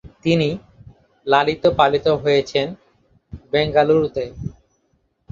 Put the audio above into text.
তিনি লালিত-পালিত হয়েছেন বেঙ্গালুরুতে।